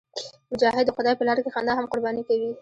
مجاهد د خدای په لاره کې خندا هم قرباني کوي.